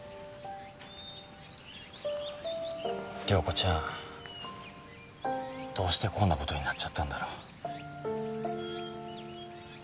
遼子ちゃんどうしてこんなことになっちゃったんだろう。